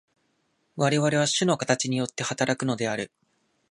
我々は種の形によって働くのである。